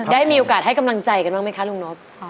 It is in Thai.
ได้มีโอกาสให้กำลังใจกันบ้างไหมคะลุงนบ